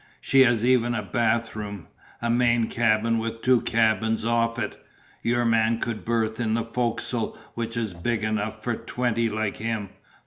She has even a bath room a main cabin with two cabins off it, your man could berth in the fo'c'sle which is big enough for twenty like him.